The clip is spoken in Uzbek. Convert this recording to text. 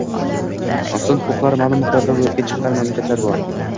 inson huquqlari ma’lum miqdorda ro‘yobga chiqqan mamlakatlar bor.